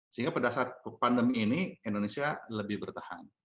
sehingga pada saat pandemi ini indonesia lebih bertahan